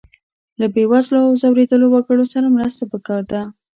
له بې وزلو او ځورېدلو وګړو سره مرسته پکار ده.